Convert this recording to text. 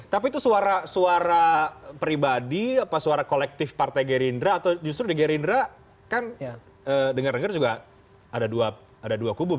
tapi itu suara pribadi apa suara kolektif partai gerindra atau justru di gerindra kan dengar dengar juga ada dua kubu